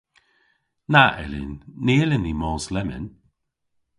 Na yllyn. Ny yllyn ni mos lemmyn.